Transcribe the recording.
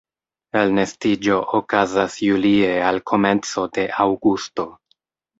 Elnestiĝo okazas julie al komenco de aŭgusto.